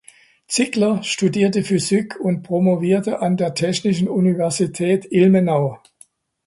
Zickler studierte Physik und promovierte an der Technischen Universität Ilmenau.